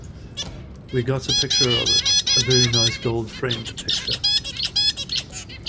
We got a picture of it, a very nice gold-framed picture.